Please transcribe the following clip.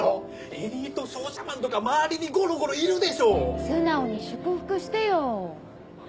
エリート商社マンとか周りにゴロゴロいる素直に祝福してよ